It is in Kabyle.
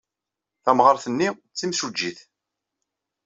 Tamɣart-nni d timsujjit.